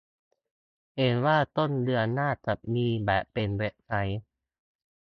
เห็นว่าต้นเดือนหน้าจะมีแบบเป็นเว็บไซต์